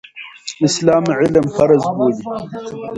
اسلام علم فرض بولي.